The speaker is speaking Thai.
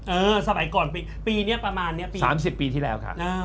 เออสมัยก่อนปีปีเนี่ยประมาณเนี่ยปี๓๐ปีที่แล้วค่ะ